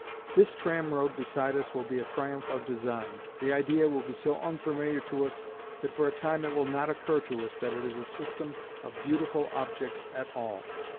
This tram road beside us will be a triumph of design. The idea will be so unfamiliar to us that for a time it will not occur to us that it is a system of beautiful objects at all.